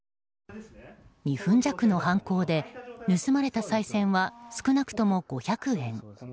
２分弱の犯行で盗まれたさい銭は少なくとも５００円。